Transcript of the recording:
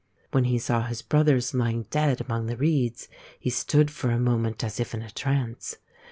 When he saw his brothers lying dead among the reeds, he stood for a moment as if in a trance.